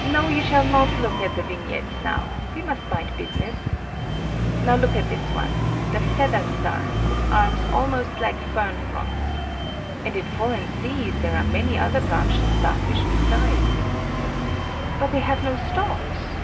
No, you shall not look at the vignettes now. We must mind business. Now look at this one; the Feather star, with arms almost like fern fronds. And in foreign seas there are many other branched star fish beside. But they have no stalks?